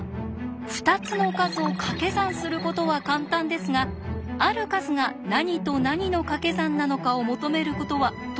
２つの数をかけ算することは簡単ですがある数が何と何のかけ算なのかを求めることはとても難しいのです。